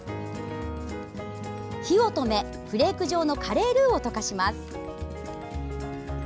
火を止めフレーク状のカレールーを溶かします。